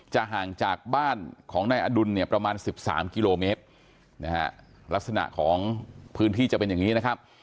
ห่างจากบ้านของนายอดุลเนี่ยประมาณ๑๓กิโลเมตรนะฮะลักษณะของพื้นที่จะเป็นอย่างนี้นะครับ